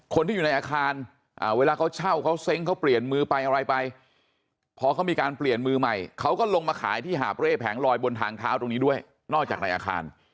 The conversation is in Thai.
คนที่อยู่ในอาคารเวลาเขาเช่าเขาเซ้งเขาเปลี่ยนมือไปอะไรไปพอเขามีการเปลี่ยนมือใหม่เขาก็ลงมาขายที่หาบเร่แผงลอยบนทางเท้าตรงนี้ด้วยนอกจากในอาคาร